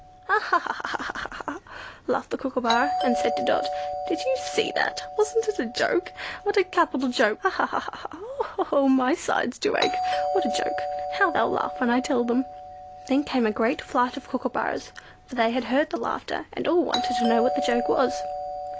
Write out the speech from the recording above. ah! ah! Ah! ah! ah!" laughed the Kookooburra, and said to Dot, "Did you see all that? Wasn't it a joke? What a capital joke! Ha! ha! ha! ha! ha! Oh! oh! oh! How my sides do ache! What a joke! How they'll laugh when I tell them." Then came a great flight of kookooburras, for they had heard the laughter, and all wanted to know what the joke was.